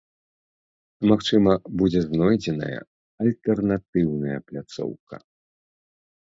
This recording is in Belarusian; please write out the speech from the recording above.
Магчыма, будзе знойдзеная альтэрнатыўная пляцоўка.